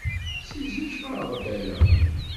Seg zik qqareɣ-d ala.